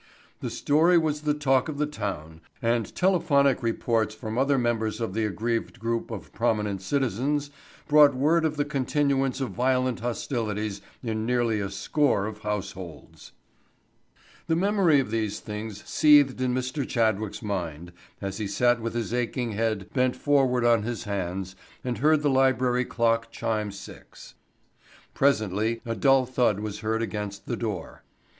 The story was the talk of the town and telephonic reports from other members of the aggrieved group of prominent citizens brought word of the continuance of violent hostilities in nearly a score of households. The memory of these things seethed in Mr. Chadwick's mind as he sat with his aching head bent forward on his hands and heard the library clock chime six. Presently a dull thud was heard against the door. Mr.